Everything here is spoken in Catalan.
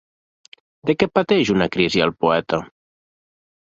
De què pateix una crisi el poeta?